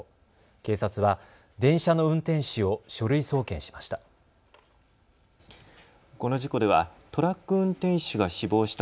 警察は、電車の運転士を書類送検しました。